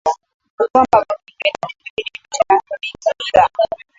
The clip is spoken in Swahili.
Huvaa bangili vidani vipini pete na herinidha